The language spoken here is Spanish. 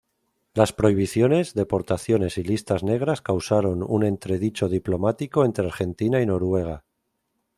Las prohibiciones, deportaciones y listas negras causaron un entredicho diplomático entre Argentina y Noruega.